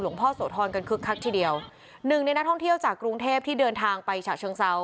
พ่อโสธรกันคึกคักทีเดียวหนึ่งในนักท่องเที่ยวจากกรุงเทพที่เดินทางไปฉะเชิงเซา